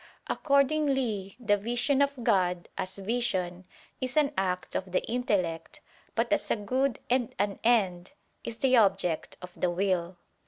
Accordingly the vision of God, as vision, is an act of the intellect, but as a good and an end, is the object of the will.